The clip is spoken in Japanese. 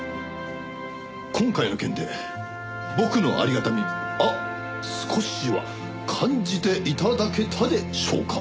今回の件で僕のありがたみあっ少しは感じて頂けたでしょうか？